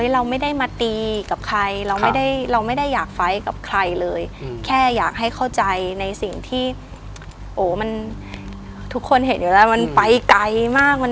เราไม่ได้มาตีกับใครเราไม่ได้เราไม่ได้อยากไฟล์กับใครเลยแค่อยากให้เข้าใจในสิ่งที่มันทุกคนเห็นอยู่แล้วมันไปไกลมาก